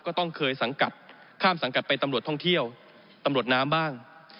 ก็ต้องเคยสังกัดข้ามสังกัดไปตำรวจท่องเที่ยวตำรวจน้ำบ้าง